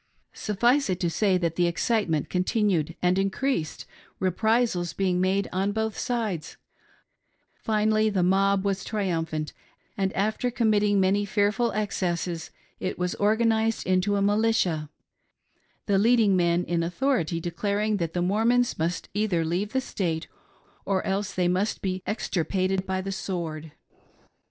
Suffice it to say, that the excitement continued and increased, reprisals being made on both sides ; finally the mob was triumphant, and after committing many fearful excesses it was organised into a militia — the leading men in authority declaring that the Mor mons mUst either leave the State or else they must be extir pated by the sword.